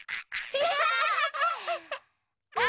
アハハハハ！